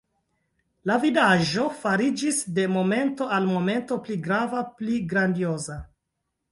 La vidaĵo fariĝis de momento al momento pli rava, pli grandioza.